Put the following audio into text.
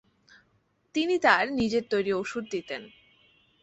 তিনি তার নিজের তৈরি ওষুধ দিতেন।